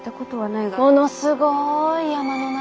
ものすごい山の中。